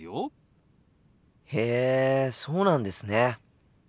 へえそうなんですね。